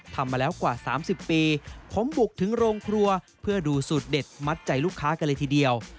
มาแล้วกว่า๓๐ปีผมบุกถึงโรงครัวเพื่อดูสูตรเด็ดมัดใจลูกค้ากันเลยทีเดียว